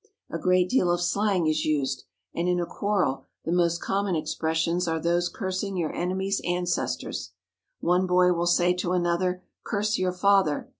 A great deal of slang is used, and in a quarrel the most common expressions are those cursing your enemy's ancestors. One boy will say to another, "Curse your father!"